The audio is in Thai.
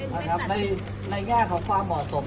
ก๊วยแม็บในแหน้งกับความเหมาะสม